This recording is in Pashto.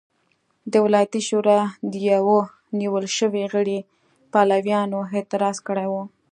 د ولایتي شورا د یوه نیول شوي غړي پلویانو اعتراض کړی و.